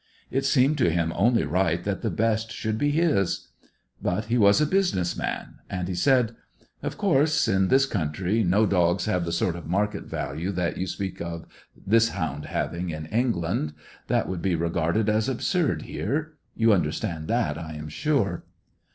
It seemed to him only right that the best should be his. But he was a business man, and he said "Of course, in this country no dogs have the sort of market value that you speak of this hound having in England. That would be regarded as absurd here. You understand that, I am sure."